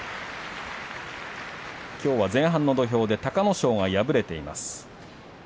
きょうは前半の土俵で隆の勝が敗れています。